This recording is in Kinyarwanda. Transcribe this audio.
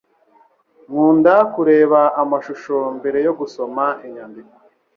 Nkunda kureba amashusho mbere yo gusoma inyandiko.